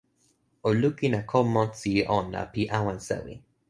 o lukin e ko monsi ona pi awen sewi.